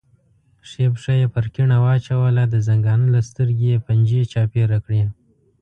ښي پښه یې پر کیڼه واچوله، د زنګانه له سترګې یې پنجې چاپېره کړې.